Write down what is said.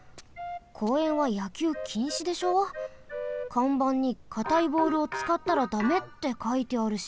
かんばんにかたいボールをつかったらだめってかいてあるし。